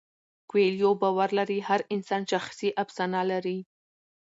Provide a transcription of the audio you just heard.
کویلیو باور لري هر انسان شخصي افسانه لري.